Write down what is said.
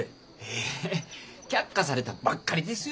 え却下されたばっかりですよ。